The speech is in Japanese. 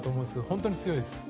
本当に強いです。